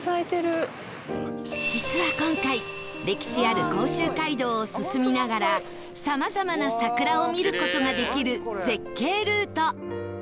実は今回歴史ある甲州街道を進みながらさまざまな桜を見る事ができる絶景ルート